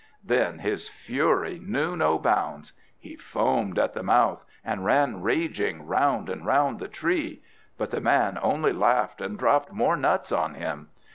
Then his fury knew no bounds; he foamed at the mouth, and ran raging round and round the tree; but the man only laughed, and dropped more nuts on him.